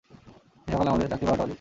সে সকালে আমাদের চাকরির বারোটা বাজিয়েছে।